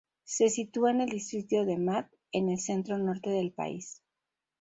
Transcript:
Se sitúa en el distrito de Mat, en el centro norte del país.